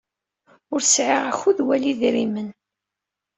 Ur sɛiɣ akud wala idrimen.